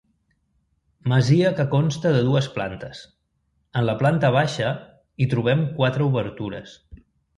Masia que consta de dues plantes: en la planta baixa, hi trobem quatre obertures.